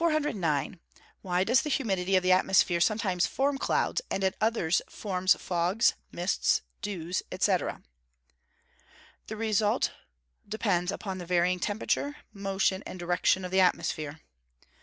"] 409. Why does the humidity of the atmosphere sometimes form clouds, and at others form fogs, mists, dews, &c.? The result depends upon the varying temperature, motion, and direction of the atmosphere.